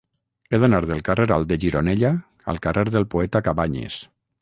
He d'anar del carrer Alt de Gironella al carrer del Poeta Cabanyes.